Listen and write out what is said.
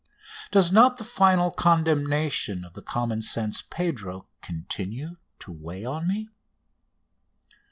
Does not the final condemnation of the common sense Pedro continue to weigh on me?